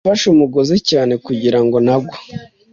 Nafashe umugozi cyane kugirango ntagwa